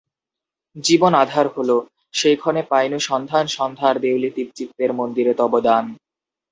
জীবন আঁধার হল, সেই ক্ষণে পাইনু সন্ধান সন্ধ্যার দেউলদীপ চিত্তের মন্দিরে তব দান।